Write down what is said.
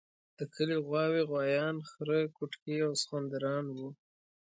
د کلي غواوې، غوایان، خره کوټکي او سخوندران وو.